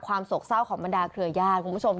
ถ้าหนูทำแบบนั้นพ่อจะไม่มีรับบายเจ้าให้หนูได้เอง